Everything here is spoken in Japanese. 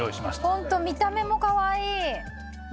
ほんと見た目もかわいい。